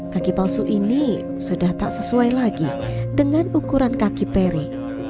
kaki palsu ini sudah tak sesuai lagi dengan ukuran kaki peri